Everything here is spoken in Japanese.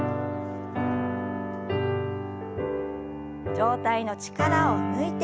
上体の力を抜いて前。